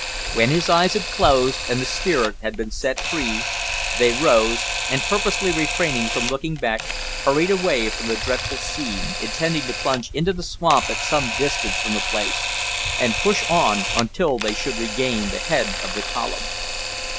When his eyes had closed and the spirit had been set free, they rose, and, purposely refraining from looking back, hurried away from the dreadful scene, intending to plunge into the swamp at some distance from the place, and push on until they should regain the head of the column.